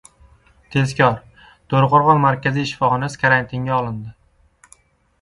Tezkor: To‘raqo‘rg‘on markaziy shifoxonasi karantinga olindi